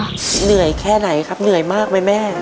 เหนื่อยแค่ไหนครับเหนื่อยมากไหมแม่